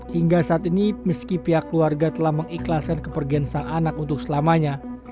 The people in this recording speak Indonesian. hingga saat ini meski pihak keluarga telah mengikhlaskan kepergian sang anak untuk selamanya